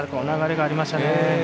流れがありましたね。